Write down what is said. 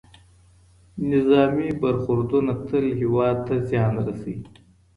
نظامي برخوردونه تل هېواد ته زیان رسوي.